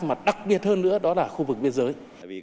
mà đặc biệt hơn nữa đó là khu vực biên giới